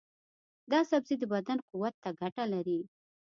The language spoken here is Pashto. دا سبزی د بدن قوت ته ګټه لري.